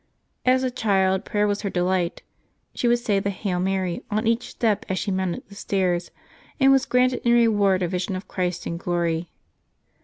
As a child, prayer was her delight. She would say the ^^Hail Mary" on each step as she mounted the stairs, and was granted in reward a vision of Christ in glory.